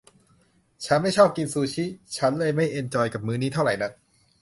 ฉันไม่ชอบกินซูชิ ฉันเลยไม่เอนจอยกับมื้อนี้เท่าไหร่หนัก